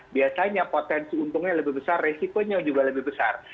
biasanya potensi untungnya lebih besar resikonya juga lebih besar